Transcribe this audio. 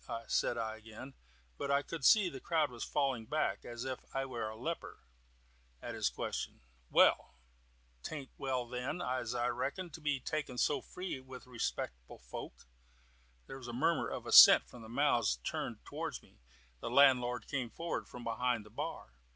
said I again, but I could see the crowd falling back, as if I was a leper, at his question. "Well? 'Taint well then, as I reckon, to be making so free with respectable folk." There was a murmur of assent from the mouths turned towards me. The landlord came forward from behind the bar.